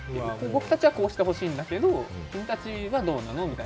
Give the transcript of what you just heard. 僕たちはこうしてほしいんだけど君たちはどうなの？と。